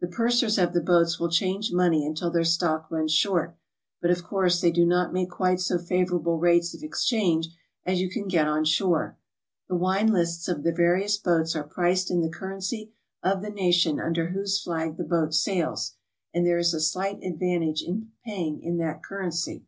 The pursers o>f the boats will change money until their stock runs short, but of course they do not make quite so favorable rates of exchange as you can get on shore. The wine lists of the various boats are priced in the currency of the nation under whose dag the boat sails, and there is a slight advantage in paying in that currency.